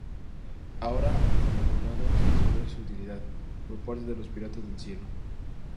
Ahora abandonado se desconoce su utilidad, por parte de los piratas del cielo.